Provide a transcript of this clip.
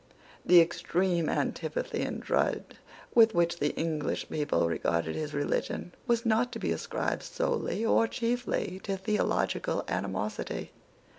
The extreme antipathy and dread with which the English people regarded his religion was not to be ascribed solely or chiefly to theological animosity.